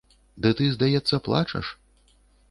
Ды ты, здаецца, плачаш?